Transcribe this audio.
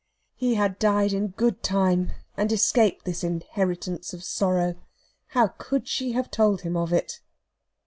He had died in good time, and escaped this inheritance of sorrow. How could she have told him of it?